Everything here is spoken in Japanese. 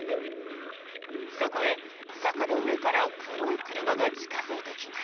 そこへ坂の上から黒い車が近付いてきます。